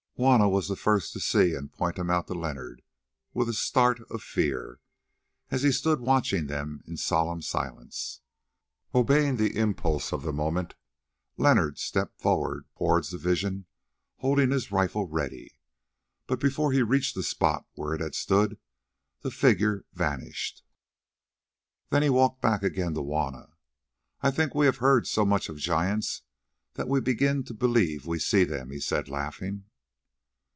Juanna was the first to see and point him out to Leonard with a start of fear, as he stood watching them in solemn silence. Obeying the impulse of the moment, Leonard stepped forward towards the vision holding his rifle ready, but before he reached the spot where it had stood the figure vanished. Then he walked back again to Juanna. "I think we have heard so much of giants that we begin to believe we see them," he said laughing.